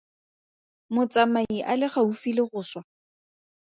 Motsamai a le gaufi le go swa?